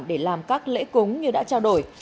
để làm các lễ cúng như đã trao đổi